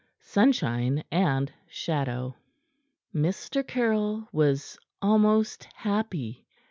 SUNSHINE AND SHADOW Mr. Caryll was almost happy.